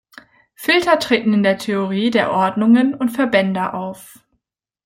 Filter treten in der Theorie der Ordnungen und Verbände auf.